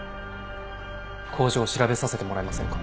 工場を調べさせてもらえませんか。